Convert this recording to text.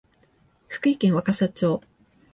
福井県若狭町